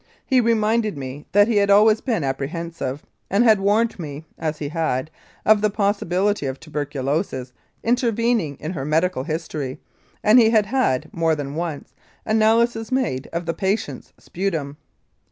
He reminded me that he had always been apprehensive, and had warned me (as he had) of the possibility of tuberculosis intervening in her medical history, and he had had, more than once, analyses made of the patient's sputum.